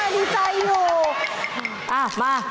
ดีใจอยู่